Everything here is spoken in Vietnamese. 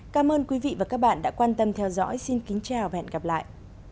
cảm ơn quý vị và các bạn đã quan tâm theo dõi xin kính chào và hẹn gặp lại